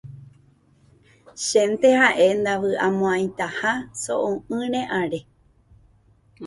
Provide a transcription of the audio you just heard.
Chénte ha'e ndavy'amo'ãitaha so'o'ỹre are.